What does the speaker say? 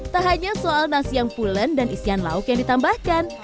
tak hanya soal nasi yang pulen dan isian lauk yang ditambahkan